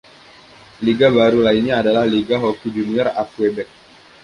Liga baru lainnya adalah Liga Hoki Junior A Quebec.